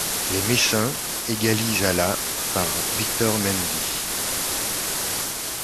Les Messins égalisent à la par Victor Mendy.